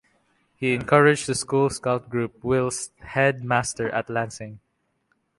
He encouraged the school Scout Group whilst Head Master at Lancing.